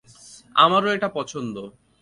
আমারও এটা পছন্দ।